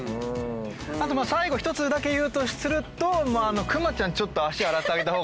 あと最後１つだけ言うとするとあの熊ちゃんちょっと足洗ってあげた方がいいかな。